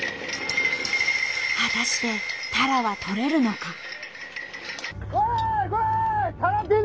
果たしてタラはとれるのか。